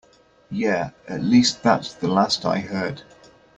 Yeah, at least that's the last I heard.